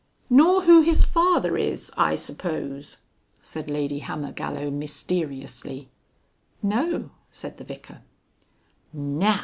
"Nor who his father is, I suppose?" said Lady Hammergallow mysteriously. "No," said the Vicar. "_Now!